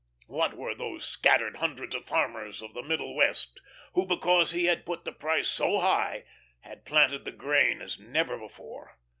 What were those scattered hundreds of farmers of the Middle West, who because he had put the price so high had planted the grain as never before?